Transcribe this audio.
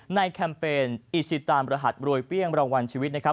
แคมเปญอิชิตานรหัสรวยเปรี้ยงรางวัลชีวิตนะครับ